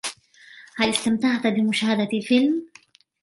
هل استمتعت بمشاهدة الفلم ؟